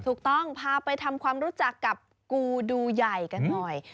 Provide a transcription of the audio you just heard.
ถูกต้องพาไปทำความรู้จักกับกูดูใหญ่กันหน่อย